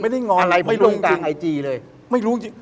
ไม่ได้งอนอะไรไม่รู้จริงไม่รู้จริง